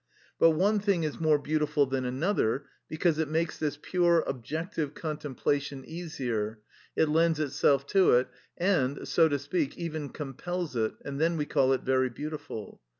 But one thing is more beautiful than another, because it makes this pure objective contemplation easier, it lends itself to it, and, so to speak, even compels it, and then we call it very beautiful.